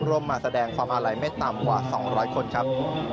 มาแสดงความอาลัยไม่ต่ำกว่า๒๐๐คนครับ